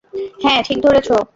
হ্যাঁ, ঠিক ধরেছো।